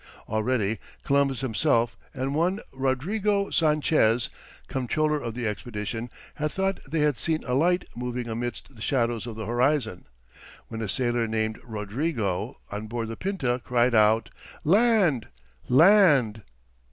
Already, Columbus himself, and one Rodrigo Sanchez, comptroller of the expedition, had thought they had seen a light moving amidst the shadows of the horizon, when a sailor named Rodrigo, on board the Pinta, cried out, "Land, land."